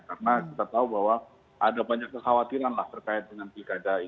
karena kita tahu bahwa ada banyak keskhawatiran lah terkait dengan likada ini